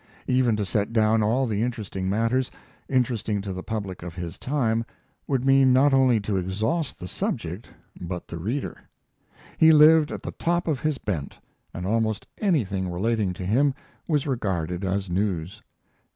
Even to set down all the interesting matters, interesting to the public of his time, would mean not only to exhaust the subject, but the reader. He lived at the top of his bent, and almost anything relating to him was regarded as news.